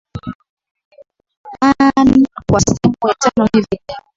an kwa siku ya tano hivi leo